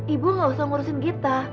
ibu gak usah ngurusin kita